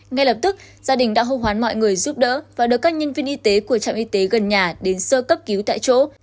ngay lập tức gia đình đã hô hoán mọi người giúp đỡ và được các nhân viên y tế của trạm y tế gần nhà đến sơ cấp cứu tại chỗ